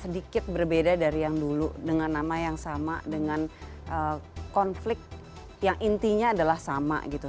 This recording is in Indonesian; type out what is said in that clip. sedikit berbeda dari yang dulu dengan nama yang sama dengan konflik yang intinya adalah sama gitu